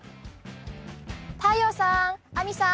太陽さん亜美さん